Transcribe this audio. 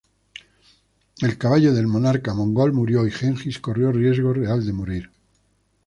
El caballo del monarca mongol murió y Gengis corrió riesgo real de morir.